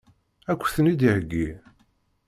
Ad k-ten-id-iheggi?